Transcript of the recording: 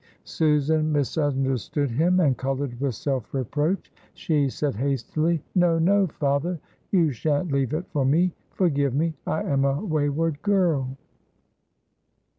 Susan misunderstood him and colored with self reproach. She said hastily: "No! no! Father, you shan't leave it for me. Forgive me, I am a wayward girl!"